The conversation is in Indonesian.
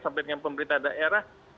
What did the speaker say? sampai dengan pemerintah daerah